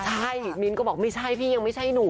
ใช่มิ้นท์ก็บอกไม่ใช่พี่ยังไม่ใช่หนู